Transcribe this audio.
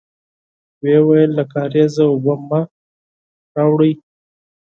ويې ويل: له کارېزه اوبه مه راوړی!